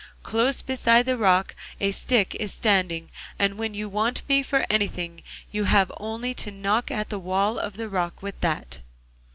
Close beside the rock a stick is standing, and when you want me for anything you have only to knock at the wall of rock with that.